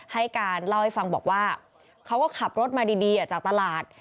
ให้การเล่าให้ฟังบอกว่าเขาก็ขับรถมาดีจากตลาด